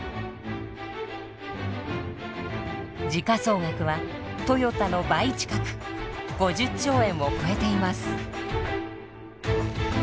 時価総額はトヨタの倍近く５０兆円を超えています。